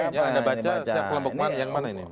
yang dibaca siapa kelompok mana